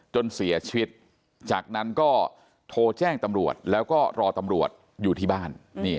จนเสียชีวิตจากนั้นก็โทรแจ้งตำรวจแล้วก็รอตำรวจอยู่ที่บ้าน